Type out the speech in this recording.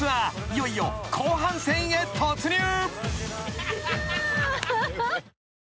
［いよいよ後半戦へ突入］